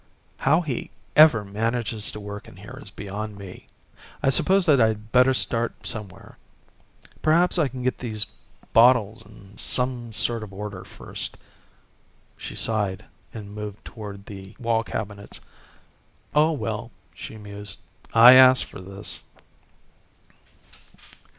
"How he ever manages to work in here is beyond me. I suppose that I'd better start somewhere perhaps I can get these bottles in some sort of order first." She sighed and moved toward the wall cabinets. "Oh well," she mused, "I asked for this."